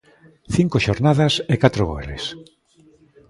Cinco xornadas e catro goles.